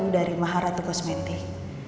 dari maharatu kosmetik